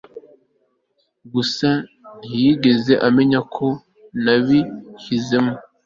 gusa ntiyigeze amenya ko nabishyizemo